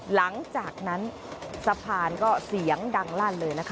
หลังจากนั้นสะพานก็เสียงดังลั่นเลยนะคะ